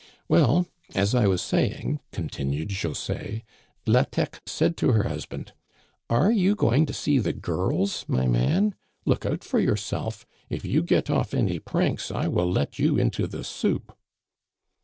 " Well, as I was saying," continued José, " La Thèque said to her husband :* Are you going to see the girls, my man ? Look out for yourself * If you get off any pranks I will let you into the soup.'